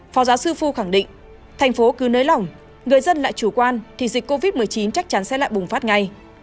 phó giáo sư phu khẳng định thành phố cứ nới lỏng người dân lại chủ quan thì dịch covid một mươi chín chắc chắn sẽ lại bùng phát ngay